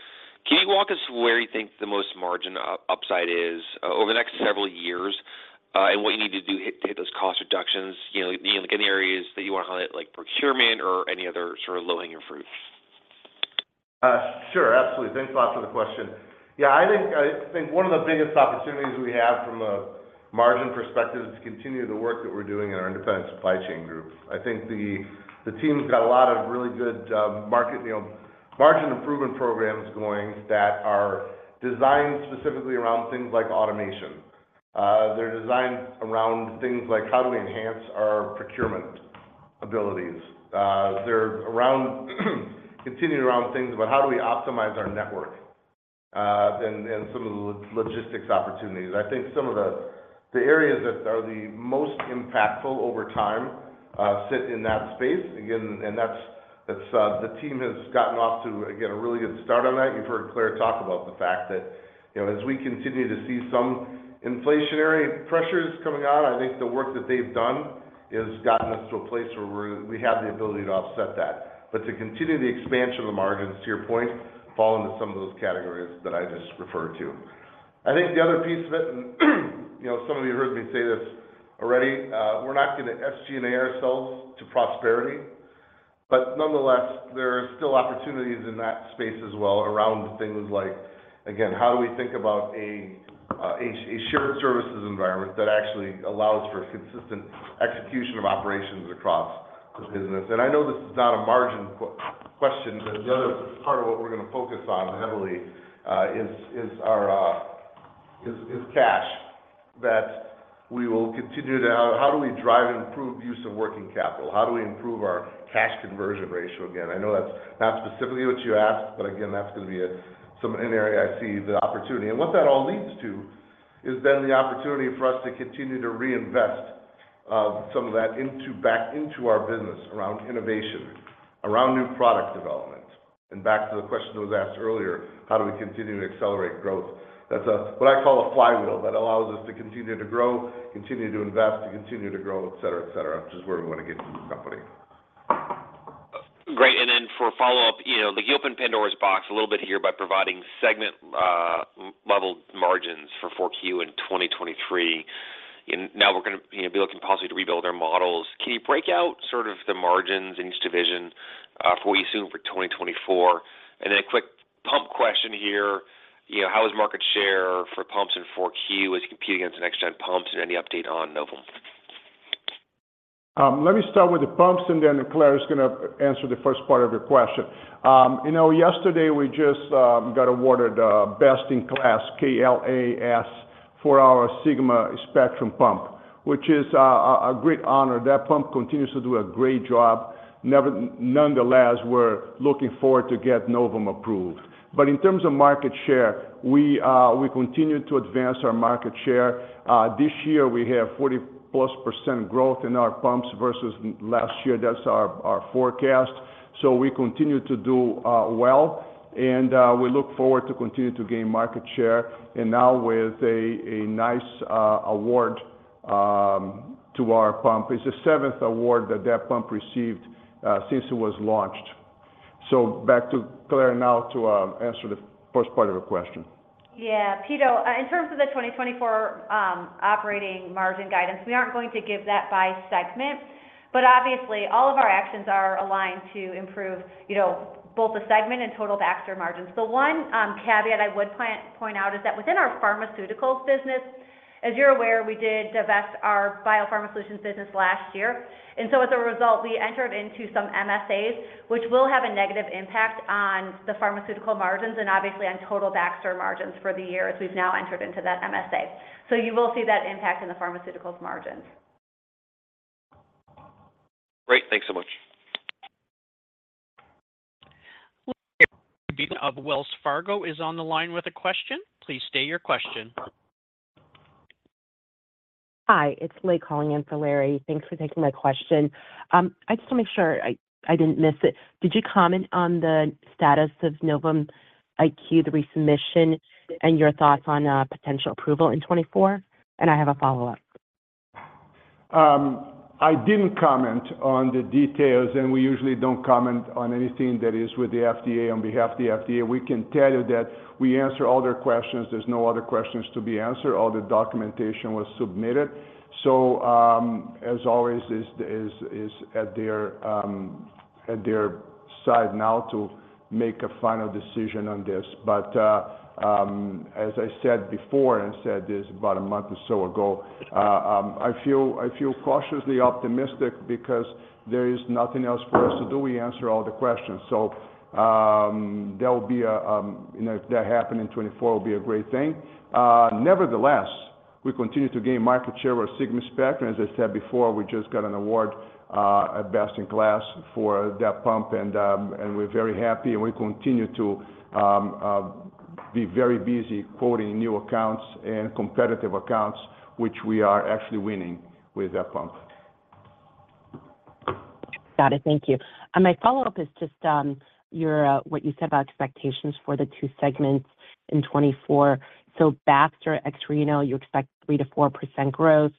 Can you walk us through where you think the most margin upside is, over the next several years, and what you need to do to hit those cost reductions, you know, like any areas that you want to highlight, like procurement or any other sort of low-hanging fruit? Sure. Absolutely. Thanks a lot for the question. Yeah, I think, I think one of the biggest opportunities we have from a margin perspective is to continue the work that we're doing in our independent supply chain group. I think the, the team's got a lot of really good, market, you know, margin improvement programs going that are designed specifically around things like automation. They're designed around things like: how do we enhance our procurement abilities? They're around, continuing around things about how do we optimize our network, and some of the logistics opportunities. I think some of the, the areas that are the most impactful over time sit in that space. Again, and that's, that's the team has gotten off to, again, a really good start on that. You've heard Clare talk about the fact that, you know, as we continue to see some inflationary pressures coming out, I think the work that they've done has gotten us to a place where we're, we have the ability to offset that. But to continue the expansion of the margins, to your point, fall into some of those categories that I just referred to. I think the other piece of it, and, you know, some of you heard me say this already, we're not going to SG&A ourselves to prosperity, but nonetheless, there are still opportunities in that space as well, around things like, again, how do we think about a shared services environment that actually allows for consistent execution of operations across the business? I know this is not a margin question, but the other part of what we're gonna focus on heavily is our cash that we will continue to... How do we drive improved use of working capital? How do we improve our cash conversion ratio? Again, I know that's not specifically what you asked, but again, that's gonna be some an area I see the opportunity. What that all leads to is then the opportunity for us to continue to reinvest some of that back into our business around innovation, around new product development. Back to the question that was asked earlier: how do we continue to accelerate growth? That's a, what I call a flywheel that allows us to continue to grow, continue to invest, to continue to grow, et cetera, et cetera, which is where we want to get to the company. Great. Then for follow-up, you know, you opened Pandora's box a little bit here by providing segment level margins for Q4 in 2023. And now we're gonna, you know, be looking possibly to rebuild our models. Can you break out sort of the margins in each division for we assume for 2024? And then a quick pump question here. You know, how is market share for pumps in Q4 as you're competing against next-gen pumps? And any update on Novum? Let me start with the pumps, and then Clare is gonna answer the first part of your question. You know, yesterday we just got awarded Best in KLAS for our Sigma Spectrum pump, which is a great honor. That pump continues to do a great job. Nonetheless, we're looking forward to get Novum approved. But in terms of market share, we continue to advance our market share. This year we have 40%+ growth in our pumps versus last year. That's our forecast. So we continue to do well, and we look forward to continue to gain market share and now with a nice award to our pump. It's the seventh award that that pump received since it was launched. Back to Clare now to answer the first part of the question. Yeah, Pito, in terms of the 2024 operating margin guidance, we aren't going to give that by segment, but obviously all of our actions are aligned to improve, you know, both the segment and total Baxter margins. The one caveat I would point out is that within our Pharmaceuticals business, as you're aware, we did divest our BioPharma Solutions business last year. And so as a result, we entered into some MSAs, which will have a negative impact on the pharmaceutical margins and obviously on total Baxter margins for the year as we've now entered into that MSA. So you will see that impact in the Pharmaceuticals margins. Great, thanks so much. Of Wells Fargo is on the line with a question. Please state your question. Hi, it's Lei calling in for Larry. Thanks for taking my question. I just want to make sure I didn't miss it. Did you comment on the status of Novum IQ, the resubmission, and your thoughts on potential approval in 2024? And I have a follow-up. I didn't comment on the details, and we usually don't comment on anything that is with the FDA on behalf of the FDA. We can tell you that we answer all their questions. There's no other questions to be answered. All the documentation was submitted. So, as always, it is at their side now to make a final decision on this. But, as I said before, and I said this about a month or so ago, I feel cautiously optimistic because there is nothing else for us to do. We answer all the questions. So, that will be a, you know, if that happened in 2024, it would be a great thing. Nevertheless, we continue to gain market share with Sigma Spectrum. As I said before, we just got an award at Best in KLAS for that pump, and we're very happy, and we continue to be very busy quoting new accounts and competitive accounts, which we are actually winning with that pump. Got it. Thank you. My follow-up is just, your what you said about expectations for the two segments in 2024. So Baxter ex-Renal, you expect 3%-4% growth.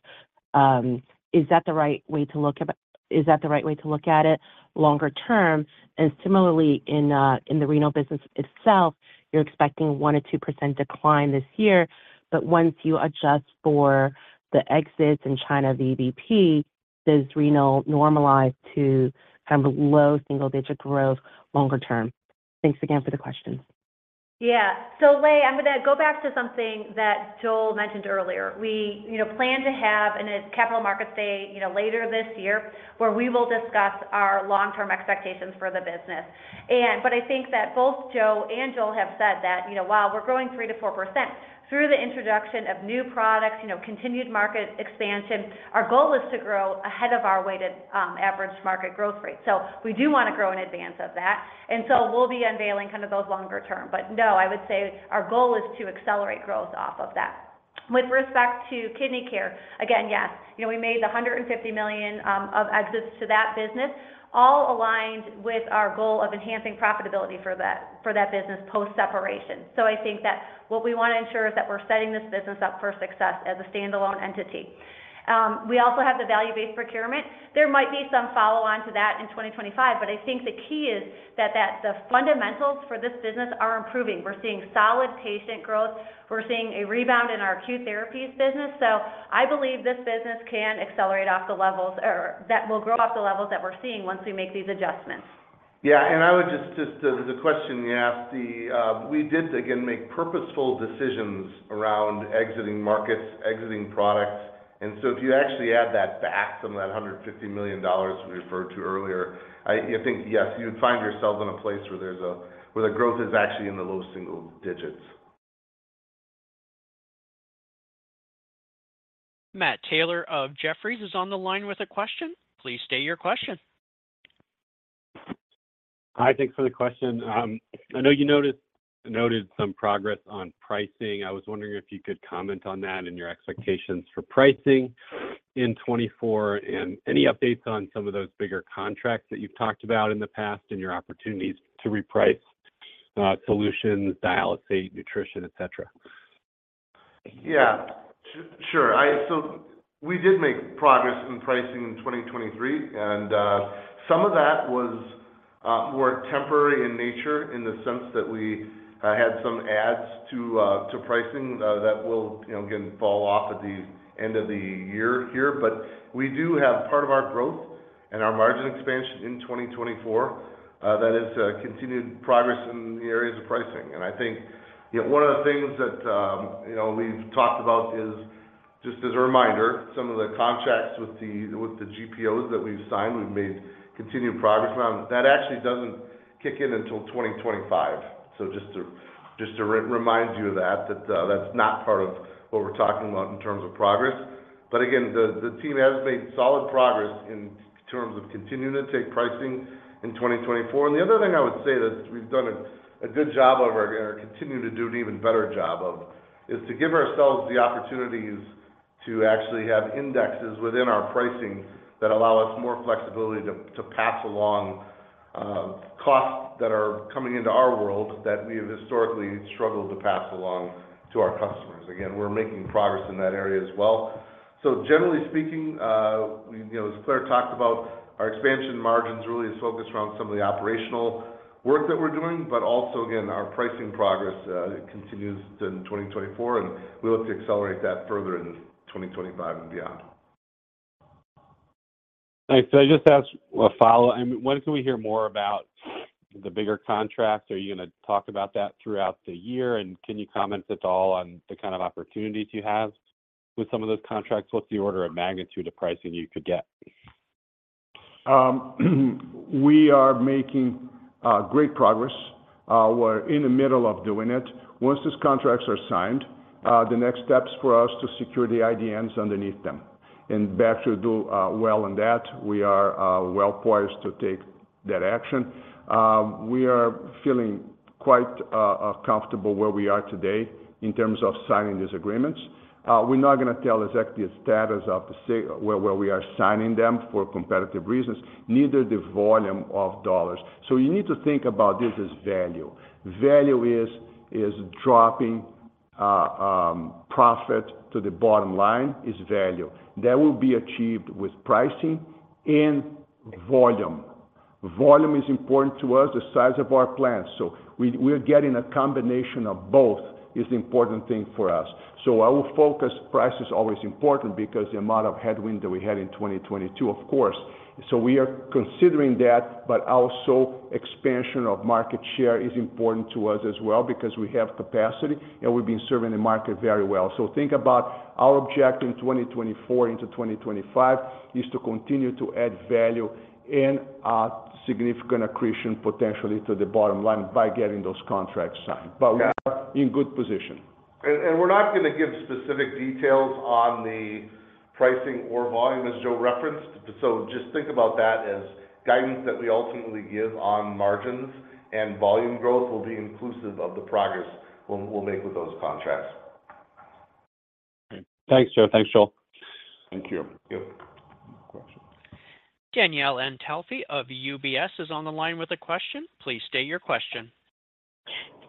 Is that the right way to look at it longer term? And similarly, in the renal business itself, you're expecting 1%-2% decline this year, but once you adjust for the exits in China VBP, does renal normalize to kind of low single digit growth longer term? Thanks again for the questions. Yeah. So Lei, I'm going to go back to something that Joel mentioned earlier. We, you know, plan to have a Capital Markets Day, you know, later this year, where we will discuss our long-term expectations for the business. But I think that both Joe and Joel have said that, you know, while we're growing 3%-4% through the introduction of new products, you know, continued market expansion, our goal is to grow ahead of our weighted average market growth rate. So we do want to grow in advance of that. And so we'll be unveiling kind of those longer term. But no, I would say our goal is to accelerate growth off of that. With respect to Kidney Care, again, yes, you know, we made $150 million of exits to that business, all aligned with our goal of enhancing profitability for that, for that business post-separation. So I think that what we want to ensure is that we're setting this business up for success as a stand-alone entity. We also have the Volume-Based Procurement. There might be some follow-on to that in 2025, but I think the key is that, that the fundamentals for this business are improving. We're seeing solid patient growth. We're seeing a rebound in our Acute Therapies business. So I believe this business can accelerate off the levels or that will grow off the levels that we're seeing once we make these adjustments. Yeah, and I would just, just to the question you asked, the, we did again, make purposeful decisions around exiting markets, exiting products. And so if you actually add that back, some of that $150 million we referred to earlier, you think, yes, you would find yourself in a place where there's a, where the growth is actually in the low single digits. Matt Taylor of Jefferies is on the line with a question. Please state your question. Hi, thanks for the question. I know you noted some progress on pricing. I was wondering if you could comment on that and your expectations for pricing in 2024, and any updates on some of those bigger contracts that you've talked about in the past, and your opportunities to reprice solutions, dialysis, nutrition, et cetera. Yeah, sure. So we did make progress in pricing in 2023, and some of that was more temporary in nature, in the sense that we had some adds to pricing that will, you know, again, fall off at the end of the year here. But we do have part of our growth and our margin expansion in 2024, that is continued progress in the areas of pricing. And I think, you know, one of the things that, you know, we've talked about is, just as a reminder, some of the contracts with the GPOs that we've signed, we've made continued progress on. That actually doesn't kick in until 2025. So just to remind you of that, that's not part of what we're talking about in terms of progress. But again, the team has made solid progress in terms of continuing to take pricing in 2024. And the other thing I would say that we've done a good job of, or continue to do an even better job of, is to give ourselves the opportunities to actually have indexes within our pricing that allow us more flexibility to pass along. ... costs that are coming into our world that we have historically struggled to pass along to our customers. Again, we're making progress in that area as well. So generally speaking, you know, as Clare talked about, our expansion margins really is focused around some of the operational work that we're doing, but also again, our pricing progress continues in 2024, and we look to accelerate that further in 2025 and beyond. Thanks. Can I just ask a follow? I mean, when can we hear more about the bigger contracts? Are you going to talk about that throughout the year? And can you comment at all on the kind of opportunities you have with some of those contracts? What's the order of magnitude of pricing you could get? We are making great progress. We're in the middle of doing it. Once these contracts are signed, the next step is for us to secure the IDNs underneath them, and Baxter will do well in that. We are well poised to take that action. We are feeling quite comfortable where we are today in terms of signing these agreements. We're not going to tell exactly the status of where we are signing them for competitive reasons, neither the volume of dollars. So you need to think about this as value. Value is dropping profit to the bottom line, is value. That will be achieved with pricing and volume. Volume is important to us, the size of our plants. So we're getting a combination of both, is the important thing for us. So our focus, price is always important because the amount of headwind that we had in 2022, of course. So we are considering that, but also expansion of market share is important to us as well, because we have capacity, and we've been serving the market very well. So think about our objective in 2024 into 2025, is to continue to add value and, significant accretion potentially to the bottom line by getting those contracts signed. But we are in good position. We're not going to give specific details on the pricing or volume, as Joe referenced. So just think about that as guidance that we ultimately give on margins, and volume growth will be inclusive of the progress we'll make with those contracts. Thanks, Joe. Thanks, Joel. Thank you. Thank you. Danielle Antalffy of UBS is on the line with a question. Please state your question.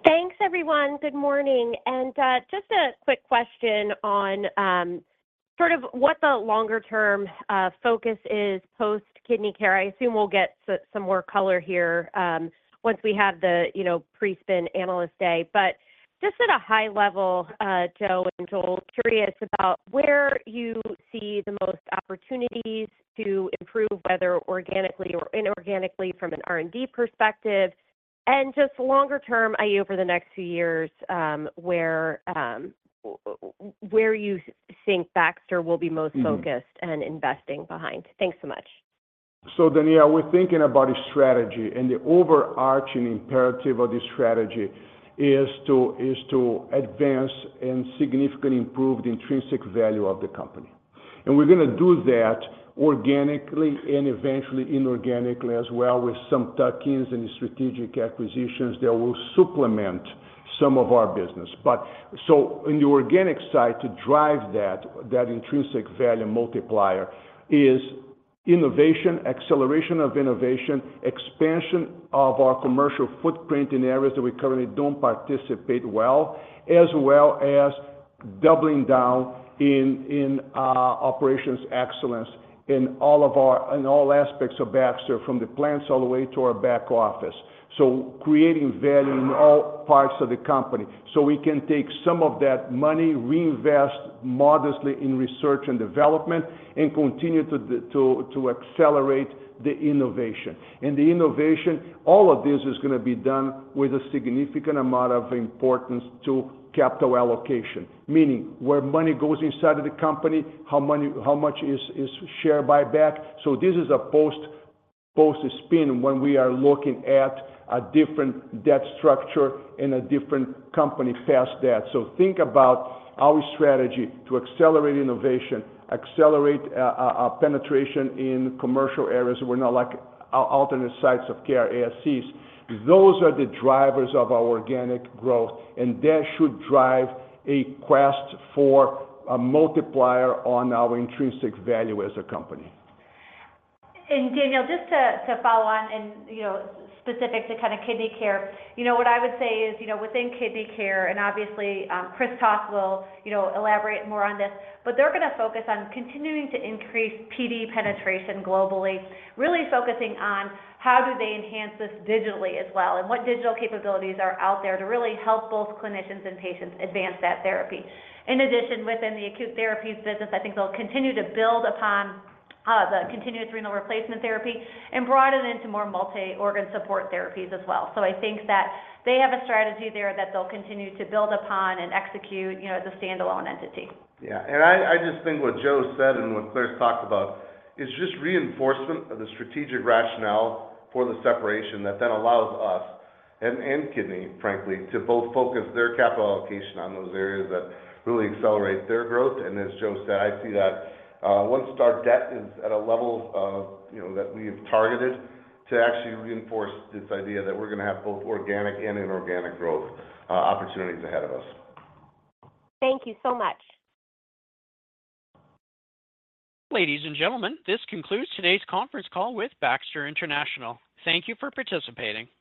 Thanks, everyone. Good morning, and just a quick question on sort of what the longer term focus is post kidney care. I assume we'll get some more color here once we have the, you know, pre-spin Analyst Day. But just at a high level, Joe and Joel, curious about where you see the most opportunities to improve, whether organically or inorganically, from an R&D perspective, and just longer term, i.e., over the next few years, where you think Baxter will be most focused. Mm-hmm... and investing behind? Thanks so much. So Danielle, we're thinking about a strategy, and the overarching imperative of this strategy is to, is to advance and significantly improve the intrinsic value of the company. And we're going to do that organically and eventually inorganically, as well, with some tuck-ins and strategic acquisitions that will supplement some of our business. But so in the organic side, to drive that, that intrinsic value multiplier is innovation, acceleration of innovation, expansion of our commercial footprint in areas that we currently don't participate well, as well as doubling down in, in, operations excellence in all aspects of Baxter, from the plants all the way to our back office. So creating value in all parts of the company, so we can take some of that money, reinvest modestly in research and development, and continue to the, to, to accelerate the innovation. The innovation, all of this is going to be done with a significant amount of importance to capital allocation, meaning where money goes inside of the company, how much is share buyback. So this is a post-spin, when we are looking at a different debt structure and a different company past that. So think about our strategy to accelerate innovation, accelerate a penetration in commercial areas where we're not like alternate sites of care, ASCs. Those are the drivers of our organic growth, and that should drive a quest for a multiplier on our intrinsic value as a company. Danielle, just to follow on and, you know, specific to kind of kidney care, you know, what I would say is, you know, within kidney care, and obviously, Chris Toth will, you know, elaborate more on this, but they're going to focus on continuing to increase PD penetration globally, really focusing on how do they enhance this digitally as well, and what digital capabilities are out there to really help both clinicians and patients advance that therapy. In addition, within the acute therapies business, I think they'll continue to build upon the continuous renal replacement therapy and broaden it into more multi-organ support therapies as well. So I think that they have a strategy there that they'll continue to build upon and execute, you know, as a standalone entity. Yeah. And I just think what Joe said and what Clare's talked about is just reinforcement of the strategic rationale for the separation that then allows us, and Kidney, frankly, to both focus their capital allocation on those areas that really accelerate their growth. And as Joe said, I see that, once our debt is at a level of, you know, that we've targeted, to actually reinforce this idea that we're going to have both organic and inorganic growth, opportunities ahead of us. Thank you so much. Ladies and gentlemen, this concludes today's conference call with Baxter International. Thank you for participating.